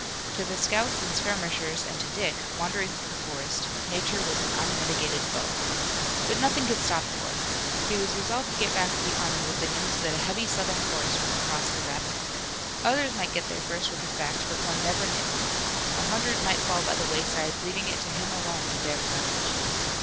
To the scouts and skirmishers and to Dick, wandering through the forest, nature was an unmitigated foe. But nothing could stop the boy. He was resolved to get back to the army with the news that a heavy Southern force was across the Rappahannock. Others might get there first with the fact, but one never knew. A hundred might fall by the wayside, leaving it to him alone to bear the message.